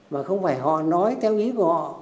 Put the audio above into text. mà không phải họ nói theo ý của họ